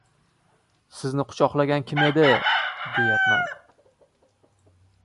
— Sizni quchoqlagan kim edi, deyapman.